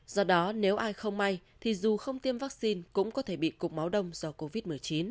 do đó nếu ai không may thì dù không tiêm vaccine cũng có thể bị cục máu đông do covid một mươi chín